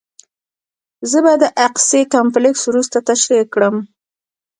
زه به د اقصی کمپلکس وروسته تشریح کړم.